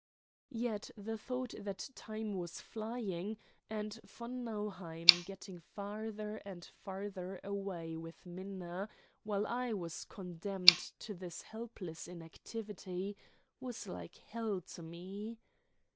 Yet the thought that time was flying, and von Nauheim getting farther and farther away with Minna, while I was condemned to this helpless inactivity, was like hell to me.